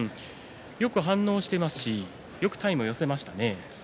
よく反応していますしよく体を寄せましたね。